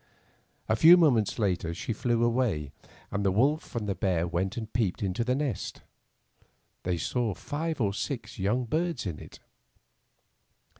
A few mo ments later she flew away, and the wolf and 84 Fairy Tale Bears bear went and peeped into the nest. They saw five or six young birds in it.